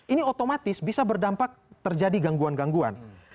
ini otomatis bisa berdampak terjadi gangguan gangguan